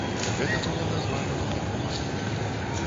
Гэта было названа непрымальным.